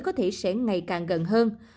có thể sẽ ngày càng gần hơn